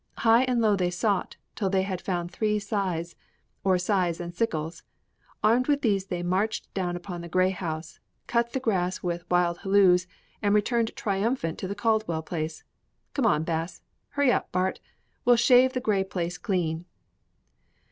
High and low they sought till they had found three scythes, or scythes and sickles. Armed with these they marched down upon the grey house, cut the grass with wild hallos, and returned triumphant to the Caldwell place. Come on, Bas; hurry up, Bart; we'll shave the grey place clean."